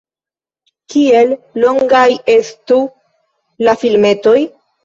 Kiel longaj estu la filmetoj?